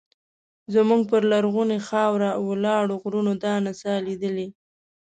زموږ پر لرغونې خاوره ولاړو غرونو دا نڅا لیدلې.